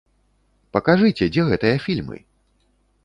Пакажыце, дзе гэтыя фільмы!